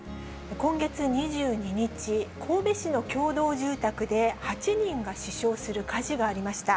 今月２２日、神戸市の共同住宅で８人が死傷する火事がありました。